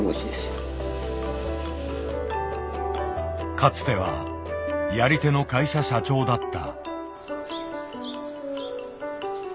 かつてはやり手の会社社長だった。